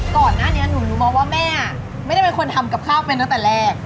ก่อนหน้านี้หนูรู้มาว่าแม่ไม่ได้เป็นคนทำกับข้าวเป็นตั้งแต่แรก